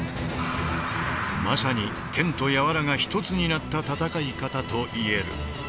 まさに「剣」と「柔」が一つになった戦い方と言える。